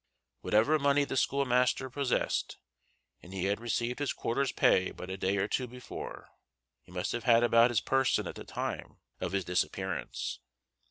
Whatever money the schoolmaster possessed and he had received his quarter's pay but a day or two before he must have had about his person at the time of his disappearance.